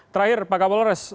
terakhir pak kapolores